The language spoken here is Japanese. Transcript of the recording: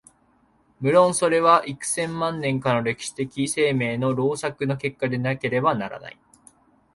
無論それは幾千万年かの歴史的生命の労作の結果でなければならない。